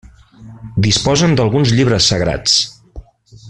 Disposen d'alguns llibres sagrats.